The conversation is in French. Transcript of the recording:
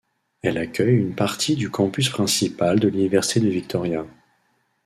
Elle accueille une partie du campus principal de l'université de Victoria.